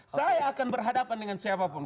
saya akan berhadapan dengan siapapun